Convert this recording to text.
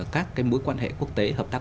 các cái mối quan hệ quốc tế hợp tác